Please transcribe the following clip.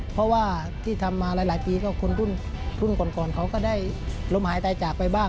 เพราะว่าที่ทำมาหลายปีก็คนรุ่นก่อนเขาก็ได้ล้มหายตายจากไปบ้าง